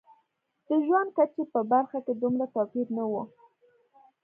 د ژوند کچې په برخه کې دومره توپیر نه و.